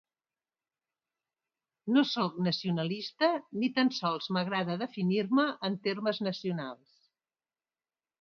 No sóc nacionalista, ni tan sols m’agrada definir-me en termes nacionals.